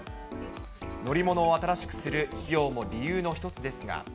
乗り物を新しくする費用も理由の一つですが。